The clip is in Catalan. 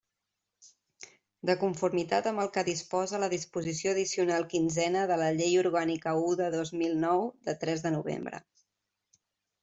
De conformitat amb el que disposa la disposició addicional quinzena de la Llei Orgànica u de dos mil nou, de tres de novembre.